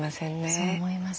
そう思います。